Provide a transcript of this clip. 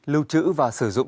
lưu trữ và sử dụng